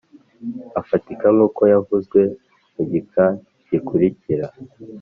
afatika nkuko yavuzwe mu gika gikurikira